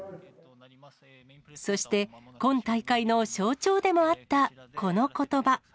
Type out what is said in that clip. そして、今大会の象徴でもあったこのことば。